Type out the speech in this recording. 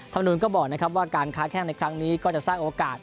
นูลก็บอกนะครับว่าการค้าแข้งในครั้งนี้ก็จะสร้างโอกาส